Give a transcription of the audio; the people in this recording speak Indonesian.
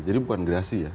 jadi bukan gerasi ya